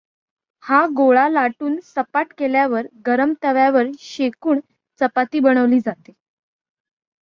हा गोळा लाटून सपाट केल्यावर गरम तव्यावर शेकून चपाती बनवली जाते.